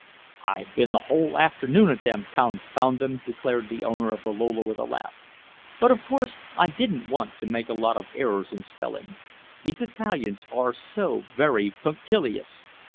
"I've been the whole afternoon at them confound them!" declared the owner of the Lola with a laugh. "But, of course, I didn't want to make a lot of errors in spelling. These Italians are so very punctilious."